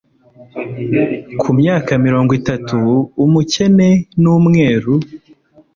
Kumyaka mirongo itatu, umukene numweru,